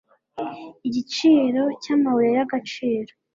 igiciro cy amabuye y agaciro